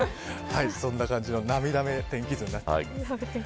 そんな感じの涙目天気図になっております。